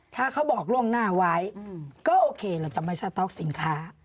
ถ้าเขาบอกล่วงหน้าไว้ก็โอเคเราจะไม่สต๊อกสินค้า